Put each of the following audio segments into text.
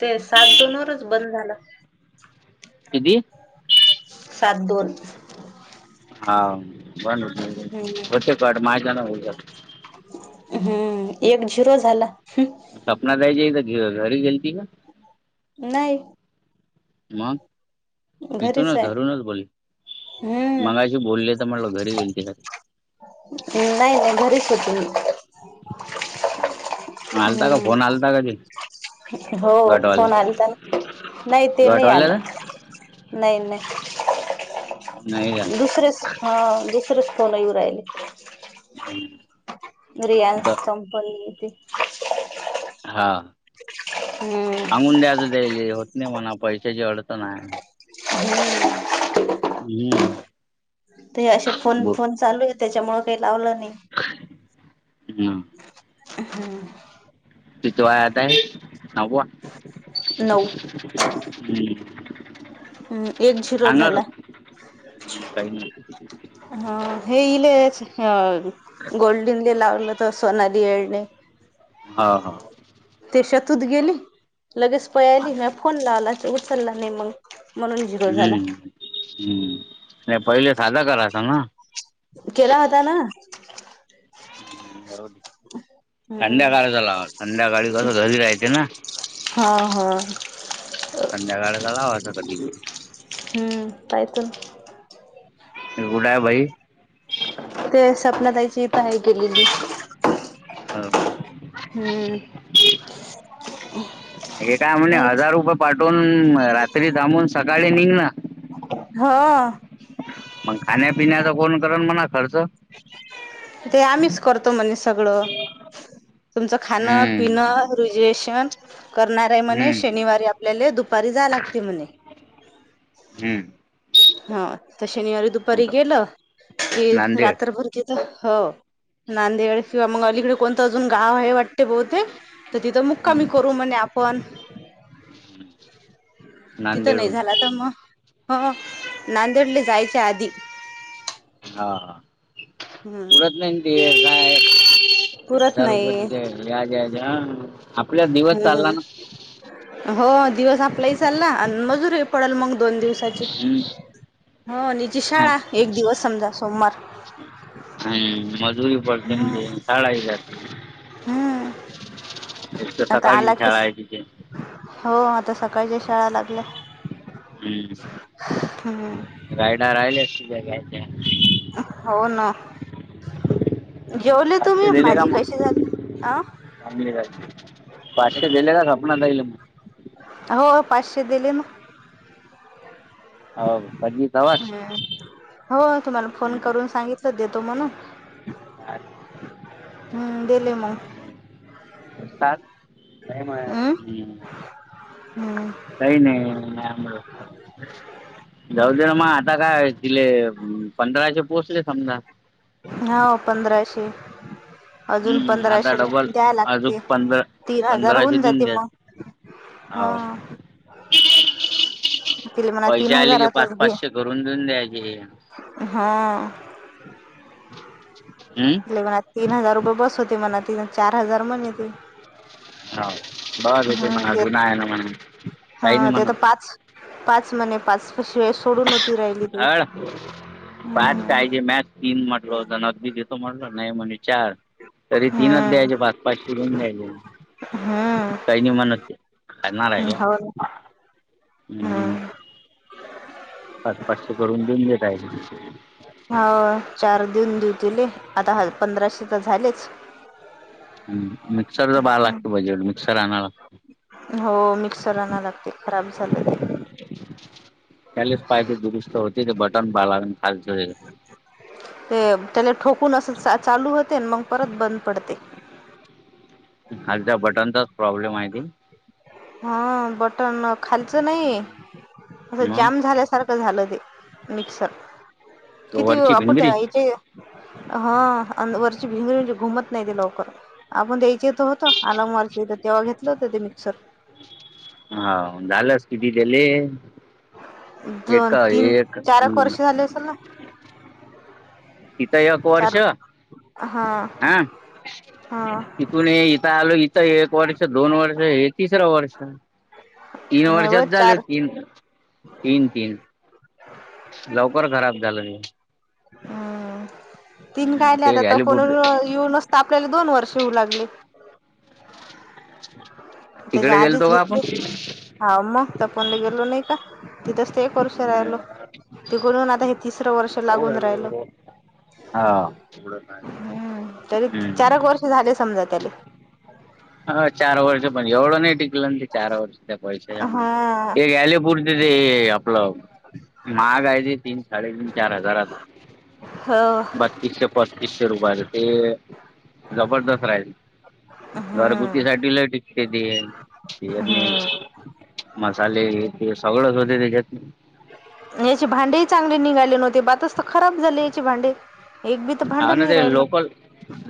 ते सात दोन वरचं बंद झालं किती सात दोन हां बनं होते की माझ्याना हो हम्मं एक झिरो झांला सपनां ताईंच्या घरी घरी गेलती कां नाहीं मंग तिथूंन नां घरीच आहे. घरूंनच बोले हम्म मगायची बोलले तरं म्हटलं घरी गेलं ती कां नाहीं नाहीं घरी होते मी मं आलतां कां फोन हम्म आलतां कां ते हो फोन गटवाल्याचा आंला नां नाहीं ते नाहीं आलं गटवाल्याचा नाहीं नाहीं नाही का दुसरेचं हां दुसरेचं फोन येऊं राहिले [inaudible] कुठं रियाल्स कंपनी येते. हा हम्म सांगून द्याच त्याले होत नाही म्हणाव पैशाची अडचण आहे. हम्म हम्म ते असे फोन ब फोन चालू आहे त्याच्यामुळ काही लावला नाही. हम्म हम्म कितवा आहे आता सहावा. [inaudible] नऊ. हम्म एक झिरो झाला. [unintelligible] काही नाही हे [unintelligible] हं गोल्डनली लावलं तर सोनाली येळणे. हा हां ते शेतूत गेली लगेच पळाली मग फोन लावला उचलला नाही मग. म्हणून झीरो झाला. हम्म हम्म नाही पहिले साधा करायचा ना. केला होता ना. हम्म संध्याकाळचा लावा संध्याकाळी कसं घरी राहायचे ना. हा हां संध्याकाळला लावाचा कधीबी. हम्म पाय [unintelligible] मी गुडा आहे भाई ते सपना ताईची पहाय केलेली. हो हम्म हे काय म्हणे हायच हजार रुपये पाठवून रात्री थांबून सकाळी निघ ना. हा मग खाण्यापिण्याचा कोण करण म्हणा खर्च. ते आम्हीच करतो म्हणे स सगळं तुमचं खाणं हम्म पिणं रुजवेशन. करणार आहे म्हणे हम्म शनिवारी आपल्याला दुपारी जाय लागते म्हणे. हम्म हा तर शनिवारी दुपारी कुठं गेलं की रा नांदेड रात्रभर तिथे हो नांदेड किंवा मग अलीकडे कोणतं अजून गाव आहे वाटते बहुतेक. तर तिथं मक्कामी हम्म करू म्हणे आपण. तिथं नाही नांदेडहून झाला तर मग हो नांदेडले जायच्या आधी. हा हा हम्म पुरत नाही ते काय पुरत हजार नाही रुपये ज्या ज्य जा हम्म हो दिवस आपलाही चालला आणि मजूरीही पडेल. मग दोन दिवसाची हम्म हो हिची हा शाळा एक दिवस समजा सोमवार. हं मजुरी पडते शाळा हि जाते. हम्म एक तर सकाळी शाळा आहे तिची. हा आता सकाळच्या शाळा लागल्या. हम्म. हम्. रायडा राहिले असतील्या घ्यायच्या. हो ना? जेवले पाचशे तुम्ही? दिले का भाजी मग कशी झाली? आ? चांगली झालती. पाकीट दिल का? स्वप्नाताईला मग - - हो पाचशे दिले ना. हो हम्म. [unintelligible] हो तुम्हाला फोन हम्म करून सांगितलं देतो म्हणून. सात हं दिले मग. टाक. नाही माया सपली. हम् काही नाही नॉर्मलं जाऊद्या ना मग आता काय तिले पंधराशे पोहचले समजा. हाव पंधराशे. अजून हम्म आता पंधराशे ला डबल द्याय अजून लागते. पंधरा तीन हजार पंधराशे होऊन देऊन जाते द्या मग. हा. तिला म्हणा तीन पैशे आले की पाच हजारातच घे -पाचशे करून देऊन द्याचे. हा. हम्म. म्हणल मला तीन हजार रुपये बस होते म्हणा तीन चार हजार म्हणा ते. हाव बास होतय हम्म म्हणा ते देत नाही ना म्हणत हा काही नाही ते म्हणत. तर पाच पाच म्हने पाच पिशव्या सोडून होती राहिली ती हं. कायजे मॅच तीन म्हटलं होत ना अगदी देतो म्हटलं नाही म्हणली चार. तरी तीनच हम्म द्यायचे पाच -पाच चे दोन द्यायचे. हम्म काही नाही म्हणत ती खाणार आहे क्या हो ना हं हं. हम्म पाच पाचशे करून देऊन घेता येतय. हो चार देऊन देऊ तिले आता ह पंधराशे तर झालेच. हम् मिक्सरच बघायला लागत बजेट मिक्सर आणायला. हो मिक्सर आणाव लागते खराब झालं ते. त्यालेच पाहिजे दुरुस्त होते ते बटन बघाव लागेन खालचं हे ते त्याला ठोकून असच चालू होते मग परत बंद पडते. खालच्या बटनचाच प्रॉब्लेम आहे ते हा बटन खालचं नाही असं मग जाम झाल्यासारखं झालं ते मिक्सर किती वरची आपण भिंगरी त्या इचे हा अन् वरची भिंगरी जी घुमत नाही ती लवकर. आपण द्यायची तर होत आलामवालच्या ईथ तेव्हा घेतलं होत ते मिक्सर. हावो झालंस किती दिले? दोन एका तीन एक चारक हं. वर्ष झाले असेल ना हिथं एक चार वर्ष हा. हा हा तिथून हे इथं आलो इथं एक वर्ष दोन वर्ष एक तिसरं वर्ष तीन नाही वर्षात व झाले चार तीन. तीन तीन लवकर खराब झालं हे हम्म तीन हम्म कायले ते आता घ्यायला पुढ इऊनचत आपल्याला दोन वर्ष होऊ लागले. त्याज्या तिकडे आधीच गेलतो का आपण घेतले? हा म तपनला गेलो नाय का तिथंच तर एक वर्ष राहिलो तिकडून आता तिसरं वर्ष लागून राहिल. हा तरी हम्म चारक वर्ष झाले समजा त्याले. अ -चार वर्ष पण एवढं नाय टिकलं ना ते चार वर्ष त्या पैशाच्या मानान हा हे घ्यायले पु [unintelligible] आपल महागाय ते तीन, साडेतीन, चार हजाराच. हो तीसशे, पस्तीसशे रुपयाच ते जबरदस्त राहिल. घरगुती हम्म साठी लय टिकते ते. हम्म मसाले हे ते सगळच होते त्याज्यात. याचे भांडे चांगले ही निघाले नव्हत बातच त खराब झाले याचे भांडे एक बी तर हा भांडण ना नाही ते राहिलं लोकल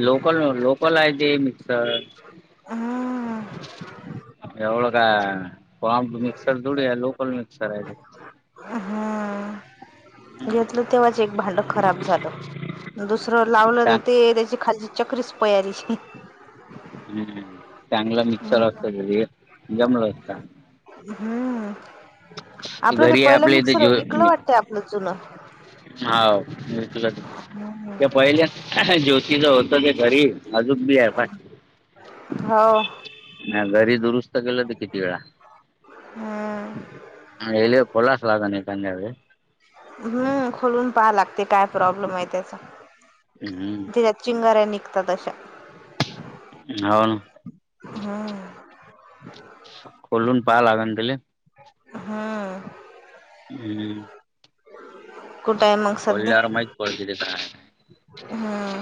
लोकल लोकल हाय ते मिक्सर. हम्म एवढ काय फाम टू मिक्सर थोडि हाय लोकल मिक्सर हाय. हम्म घेतलं तेव्हाच एक भांड खराब झालं. दुसरं लावलं तर ते त्याची खालली चक्रीच पयाली. हम् चांगलं मिक्सर असत त घरी जमलं असत. हम्म आपलं ते घरी पहिलं आपल्या इथे मिक्सर जो विकलं वाटतंय जून. हाव विकल ते पयले ज्योतीच होतं ते घरी अजूक बी हाय. हाव. म्या घरी दुरुस्त केलं हुतं किती वेळा. हम्. आयल्या खोलास लागन एखाद्या वेळस. हम्म खोलून पहा लागते काय प्रॉब्लेम हाय त्याचा. हम्म चीगाऱ्या नीघतात अशा. हाव ना हम्म खोलुन पाह लागन त्याले. हम्. हम्. कुठाय मग? सध्या पडल्यावर माहीत पडते ते काय हम्म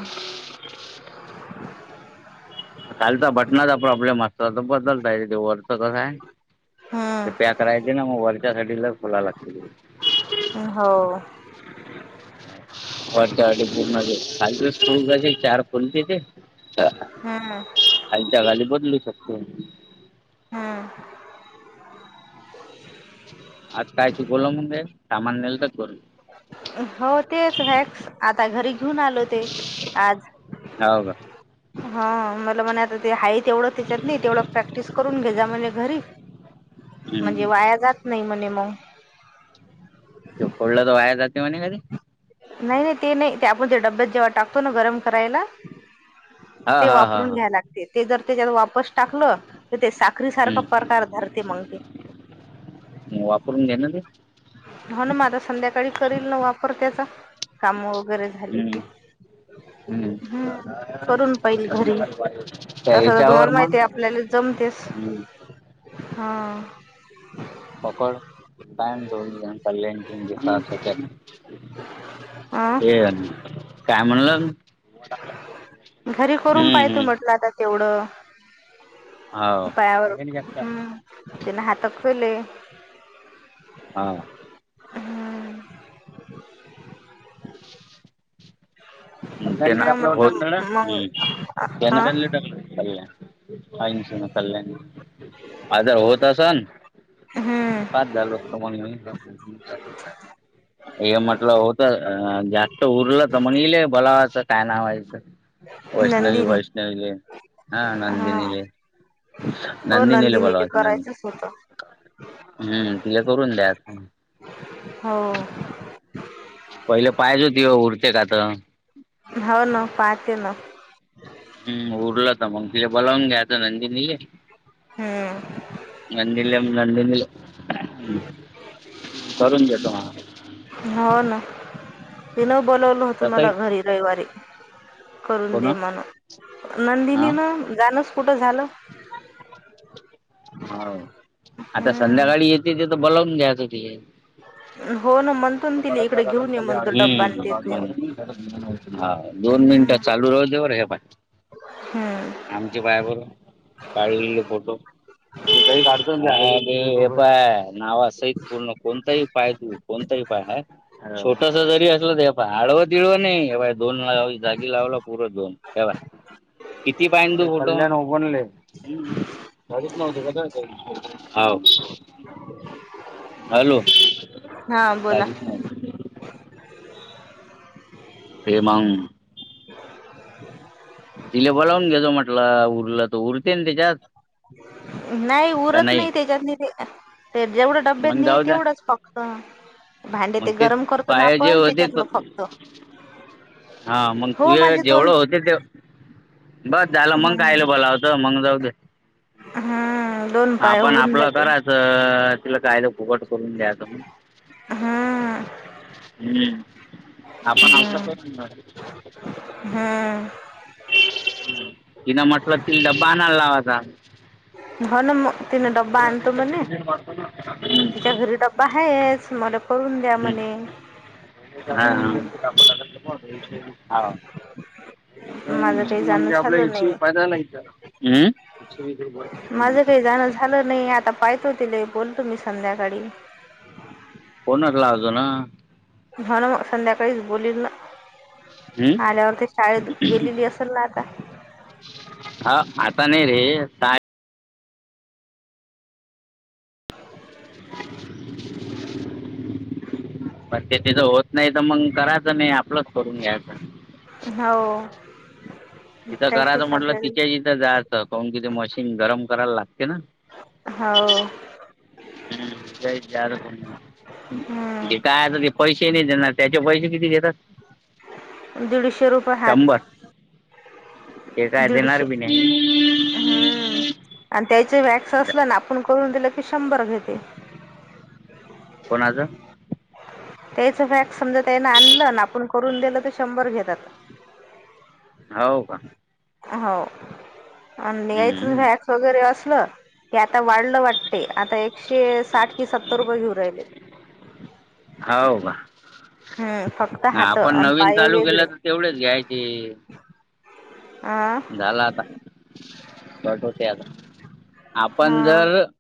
खालचा बटनाचा प्रॉब्लेम असता तर बदलता येत वरच कसाय ते हम्म पॅक करायचे ना म वरच्या साठी लय खोलाय लाग हो. [inaudible] वरच्या वाटे पूर्ण ते खालच स्क्रू चार कशे खुलते ते. हम्. खालच्या घाली बदलू शकतो. हम्. आज काय चुकवलं मग सामान नेलत का घरून? हो तेच वॅक्स आता घरी घेऊन आलो ते आज. हाव का. हा म्हनायच ते हाय तेवढ त्याच्यात नाई तेवढं प्रॅक्टिस करून घे जा म्हण घरी म्हणजे हम्म वाया जात नाही, म्हणेे मग, ते, पोळ त वाया जाते, काय ते म्हणे कणी, नाही, नाही, ते नाही, ते आपण त्या डब्यात जेव्हा टाकतो ना, गरम करायला हा ते, हा हा वापरून हा घ्या लागते. ते जर त्याच्यात वापस टाकलं, तर ते साखरी, सारखं प्रकार धरते, मग ते. म, वापरून घ्या. ना ते. हो, ना मा आता, संध्याकाळी करील ना वापर त्याचा. कामं वगैरे, झाली की. हम्म हम्म हम्म, करून पाहिल घरी, त्या तस तर ह्याच्यावर तुम्हाला मग माहिती आहे, आपल्याला जमतेस, हा. पकड, [unintelligible] अ हे, काय म्हणलं. घरी, करून हम्म पाहय तो हम्म मग, तेवढं, हो पायावर, हम्, त्यांने हातच केले. हा, हम्म, [unintelligible] [unintelligible] [unintelligible] नाही म्हटलं मग हा हा जरा होता असणं हम्म पास झालो असतो, मग मी, हे, म्हटलं होत. अ जास्त उरलं तर म्हणले [unintelligible] काय नाव हायचं. वैष्णवी, नंदिनी वैष्णवी हा हा नंदनी, हो नंदनीले नंदिनी ते बोलावता करायचंच होतं [unintelligible] हम्म, तिला करून द्या. हम, पहिलं पाहिल होती. उरते काते. हवं ना, पाहते ना, हम्, उरलं तर मग तिला बलावून घ्यायचं, नंदिनी ले. हम्म नंदिनी, नंदिनीले, करून घेतो, मा, हो, ना तिन बोलावल होत, तसंही मला घरी रविवारी. करून कोण दे, म्हणून, हा नंदिनी न जाणच कुठं झालं. [inaudible] हवं, आता संध्याकाळी हम्म येते, ते तर बोलवून घ्याच तिले, हो ना म्हणतो ना [unintelligible] तिला इकडे हम, घेऊन ये म्हणतो डब्बा आणि ते तुया मग हा, दोन मिनिट हम्म चालू राहू दे, बर हे बाय, हम्म, आमच्या बायाबरो, काढलेले फोटो, [unintelligible] नावा, सहित पूर्ण कोणताही पाय तू, कोणताही पाय, छोटस जरी असलं तर पहा. आडव -तिडव नाहीय, [inaudible] दोन जागी लावलं. पुर दोन, तेव्हा किती पाय [unintelligible] हवं, हॅलो! हा, बोला. काहीच नाही ते मंग. तिला बोलावून घेचो म्हटलं, उरलं तर, उरतील त्याच्यात. नाही उरत नाही त्याच्यातनी ते, जेवढं मग डब्यातनी आहे जाऊ द्या तेवढंच फक्- क्त भांडे मग ते गरम करतो ना पाय जे आपण, होते त्याच्यातलं फक्त. हा, मग हो तुझे माझे दोन जेवढं होते ते बस झालं, मग हम्म काहिलं बोलाव. द मंग जाऊ दे. हम्म. दोन पाय आपण होऊन आपलं जाते करायचं, तिला काय ते फुकट करून द्याचं मग. हम्म हम्म, आपण हम्म आपलं- [unintelligible] [inaudible] हम्म तिन म्हटलं, ति डब्बा आणाय लाव आता. हो ना मग- तिन डब्बा आणतो म्हणे, हं. तिच्या घरी डब्बा आहेच मला- करून द्या म्हणे. हम्म [inaudible] माझं काही जाणं म्हणजे आपल्या झालं या नाही फायदा नाही का. हं. माझं काही जाणं झालं नाही, आता पाहतो तिला बोलतो मी संध्याकाळी. फोनच लागना. हा ना, मग संध्याकाळीच बोलील ना. हं? आल्यावर ते शाळेत गेलेली असेल ना आता? हा आता नाही रे- [inaudible] पण ते तिथ होत नाही तर मग करायचं नाही, आपलंच करून घ्यायचं. हो. तिथं करायचं प्रॅक्टिस म्हटल की, आपल्याला ति तिथं जायचं कोन [unintelligible] किती मशीन गरम करायला लागते ना हो. हम्म, [unintelligible] को हम्म काय पैसे नाही देणार, त्याचे पैसे किती देतात? दीडशे रुपये हात. शंभर ते काय देणार दीडशे बी नाही. हम्म. आणि त्याचे वॅक्स असलं ना, आपण करून दिलं की शंभर घेते. कोणाचा? त्याच वॅक्स समजा त्यान आणलं ना, आपण करून दिलं तर शंभर घेतात. हो का? हो आणि [unintelligible] हम्म. तझ वगैरे असलं की, आता वाढलं वाटते, आता एकशे साठ की, सत्तर रुपये घेऊ राहिले. हाव का? हम्म फक्त [unintelligible] हात आपण आणि नवीन पाय चालू केलं वेगळे तर, तेवढेच घ्यायचे. आ.? झाला आता, बटवते आता आपण हा जर-